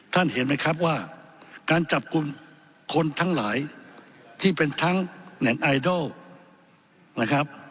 เห็นไหมครับว่าการจับกลุ่มคนทั้งหลายที่เป็นทั้งเน็ตไอดอลนะครับ